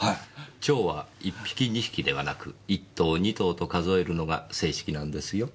蝶は１匹２匹ではなく１頭２頭と数えるのが正式なんですよ。